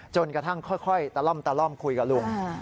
จนกระทั่งค่อยตะล่อมตะล่อมคุยกับลุง